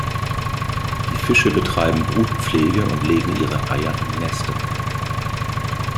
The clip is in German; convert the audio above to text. Die Fische betreiben Brutpflege und legen ihre Eier in Nester.